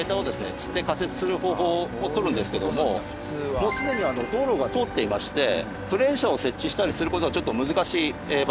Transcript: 吊って架設する方法を取るんですけどももうすでに道路が通っていましてクレーン車を設置したりする事がちょっと難しい場所になります。